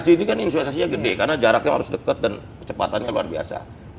jadi lima g ini kan insulensasinya gede karena jaraknya harus deket dan kecepatannya luar biasa